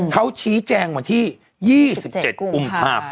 เขาชี้แจ้งมาที่๒๗กุม๕๐๐๐